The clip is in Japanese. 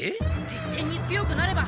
実戦に強くなろう！